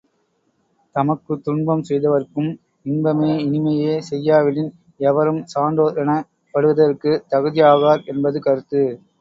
தமக்குத் துன்பம் செய்தவர்க்கும் இன்பமே இனிமையே செய்யாவிடின், எவரும் சான்றோர் எனப் படுதற்குத் தகுதியாகார் என்பது கருத்து.